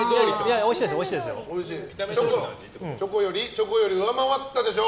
チョコより上回ったでしょ？